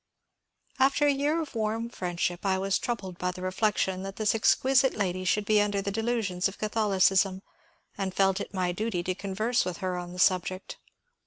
^^ After a year of warm friendship I was troubled by the reflection that this exquisite lady should be under the delusions of Catholicism, and felt it my duty to converse with her on the subject.